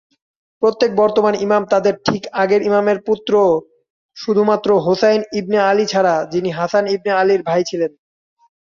প্রত্যেক বর্তমান ইমাম তাদের ঠিক আগের ইমামের পুত্র শুধুমাত্র হোসাইন ইবনে আলী ছাড়া যিনি হাসান ইবনে আলীর ভাই ছিলেন।